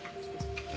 え？